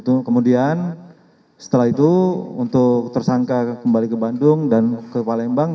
kemudian setelah itu untuk tersangka kembali ke bandung dan ke palembang